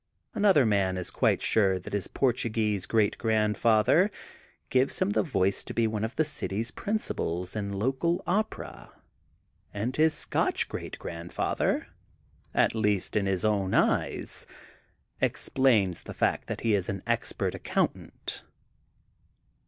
<< Another man is quite sure that his Portu gese great grandfather gives him the voice to be one of the city's principals in local opera, and his Scotch great grandf ather, at least in his own eyes, explains the fact that he is an expert accountant.